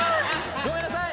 ごめんなさい！